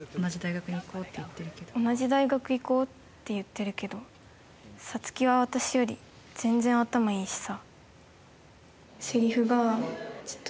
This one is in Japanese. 進路のことだって同じ大学行こうって言ってるけどサツキは私より全然、頭いいしさ。